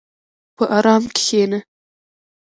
په ارام کښېنه.